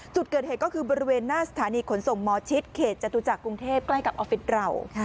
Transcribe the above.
จุดเกิดเหตุก็คือบริเวณหน้าสถานีขนส่งหมอชิดเขตจตุจักรกรุงเทพใกล้กับออฟฟิศเรา